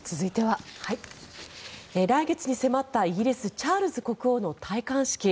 来月に迫ったイギリス、チャールズ国王の戴冠式。